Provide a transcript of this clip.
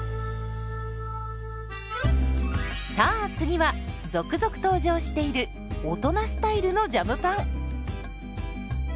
さあ次は続々登場している大人スタイルのジャムパン。